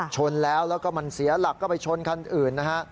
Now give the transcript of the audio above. ชนแล้วแล้วก็มันเสียหลักก็ไปชนคันอื่นนะฮะ